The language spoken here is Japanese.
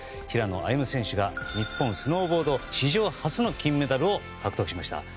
平野歩夢選手が日本スノーボード史上初の金メダルを獲得しました。